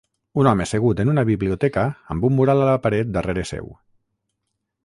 Un home segut en una biblioteca amb un mural a la paret darrere seu.